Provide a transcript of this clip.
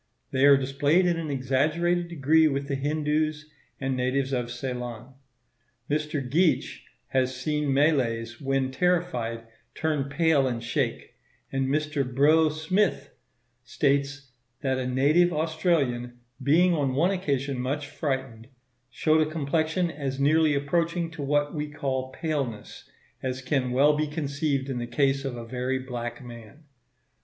They are displayed in an exaggerated degree with the Hindoos and natives of Ceylon. Mr. Geach has seen Malays when terrified turn pale and shake; and Mr. Brough Smyth states that a native Australian "being on one occasion much frightened, showed a complexion as nearly approaching to what we call paleness, as can well be conceived in the case of a very black man."